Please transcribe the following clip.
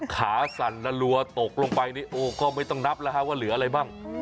ขาสั่นละลัวตกลงไปนี่โอ้ก็ไม่ต้องนับแล้วฮะว่าเหลืออะไรบ้าง